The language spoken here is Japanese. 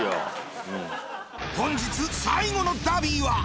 本日最後のダービーは。